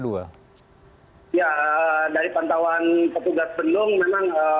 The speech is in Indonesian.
dari pantauan petugas penung memang